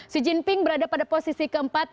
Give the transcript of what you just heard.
x jinping berada pada posisi keempat